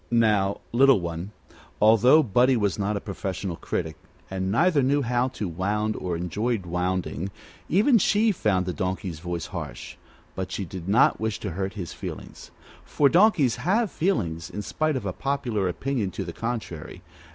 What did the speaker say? Now, Little One, although Buddie was not a professional critic, and neither knew how to wound nor enjoyed wounding, even she found the Donkey's voice harsh; but she did not wish to hurt his feelings for donkeys have feelings, in spite of a popular opinion to the contrary.